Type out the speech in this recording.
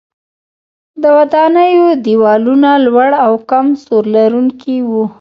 د ودانیو دیوالونه لوړ او کم سور لرونکي وو.